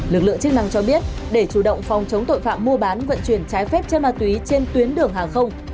lực lượng chức năng cho biết để chủ động phòng chống tội phạm mua bán vận chuyển trái phép chân ma túy trên tuyến đường hàng không